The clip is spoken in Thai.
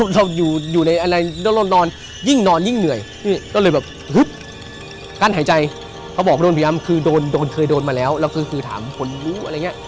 เราอยู่ในอะไรแล้วเรานอนยิ่งนอนยิ่งเหนื่อยก็เลยแบบฮึบกั้นหายใจเขาบอกโดนพยายามคือโดนเคยโดนมาแล้วแล้วก็คือถามคนรู้อะไรอย่างเงี้ย